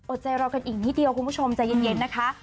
ใจเรากันอีกนิดเดียวคุณผู้ชมใจเย็นนะคะ